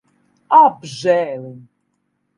Apžēliņ.